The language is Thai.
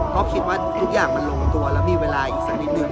ก็คิดว่าทุกอย่างมันลงตัวแล้วมีเวลาอีกสักนิดนึง